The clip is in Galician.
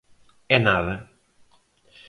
E nada.